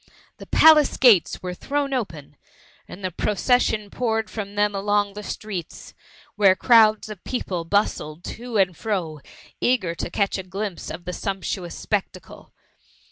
The palace gates were thrown open, and the procession poured from them along the streets, where crowds of people bustled to and fro, eager to catch a glimpse of the sumptuous spectacle.